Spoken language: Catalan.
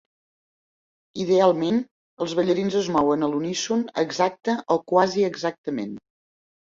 Idealment, els ballarins es mouen a l'uníson exacte o quasi exactament.